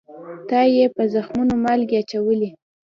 تل یې په زخمونو مالگې اچولې